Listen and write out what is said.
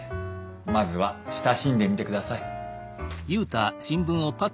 まずは親しんでみてください。